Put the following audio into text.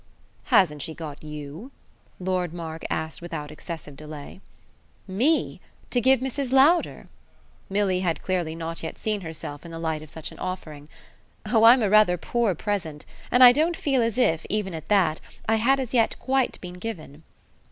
"Hasn't she got you?" Lord Mark asked without excessive delay. "Me to give Mrs. Lowder?" Milly had clearly not yet seen herself in the light of such an offering. "Oh I'm rather a poor present; and I don't feel as if, even at that, I had as yet quite been given."